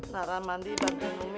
nah rahmadi bakal umi